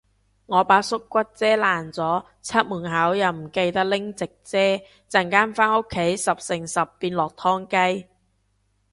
我把縮骨遮爛咗，出門口又唔記得拎直遮，陣間返屋企十成十變落湯雞